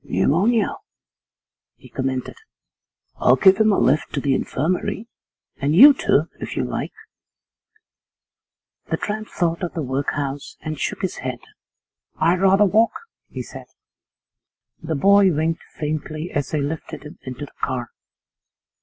'Pneumonia,' he commented. 'I'll give him a lift to the infirmary, and you, too, if you like.' The tramp thought of the workhouse and shook his head 'I'd rather walk,' he said. The boy winked faintly as they lifted him into the car.